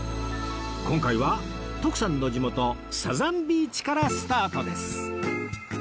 今回は徳さんの地元サザンビーチからスタートです